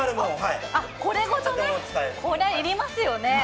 これごとね、これ要りますよね。